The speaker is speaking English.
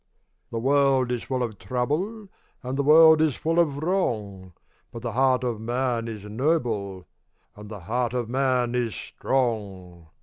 The world is full of trouble, And the world is full of wrong, But the heart of man is noble, And the heart of man is strong!